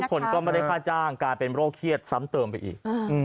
คนก็ไม่ได้ค่าจ้างกลายเป็นโรคเครียดซ้ำเติมไปอีก